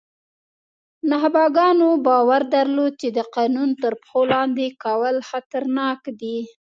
نخبګانو باور درلود چې د قانون تر پښو لاندې کول خطرناک دي.